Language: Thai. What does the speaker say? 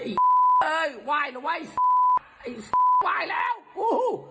ไอ้ว่ายเหรอไอ้ไอ้ว่ายแล้วโอ้ฮู้